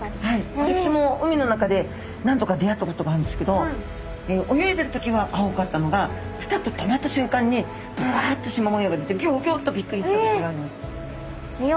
私も海の中で何度か出会ったことがあるんですけど泳いでる時は青かったのがピタッと止まった瞬間にぶわっとしま模様が出てギョギョッとびっくりしたことがあります。